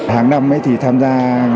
hàng năm thì tham gia